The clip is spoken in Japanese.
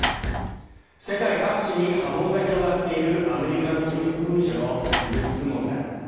世界各地に波紋が広がっているアメリカの機密文書の流出問題。